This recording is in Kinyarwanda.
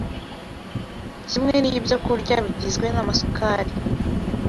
kimwe n’ibyokurya bigizwe n’amasukari.